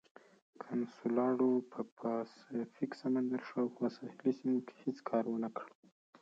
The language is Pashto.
کنسولاډو په پاسفیک سمندر شاوخوا ساحلي سیمو کې هېڅ کار ونه کړ.